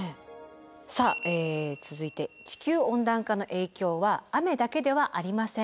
さあ続いて地球温暖化の影響は雨だけではありません。